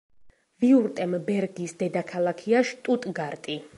ვიურტემბერგის დედაქალაქია შტუტგარტი.